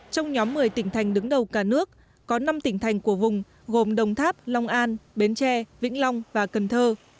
trong nhóm một mươi tỉnh thành đứng đầu cả nước có năm tỉnh thành của vùng gồm đồng tháp long an bến tre vĩnh long và cần thơ